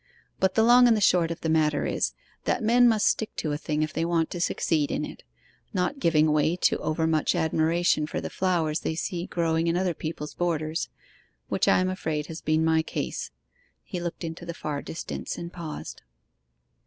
But the long and the short of the matter is, that men must stick to a thing if they want to succeed in it not giving way to over much admiration for the flowers they see growing in other people's borders; which I am afraid has been my case.' He looked into the far distance and paused.